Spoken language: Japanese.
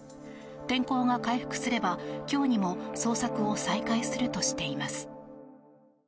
天候が回復すれば今日にも捜索を再開するとしています。